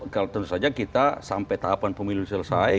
kalau tentu saja kita sampai tahapan pemilu selesai